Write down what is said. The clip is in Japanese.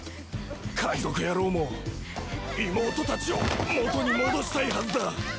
界賊野郎も妹たちを元に戻したいはずだ。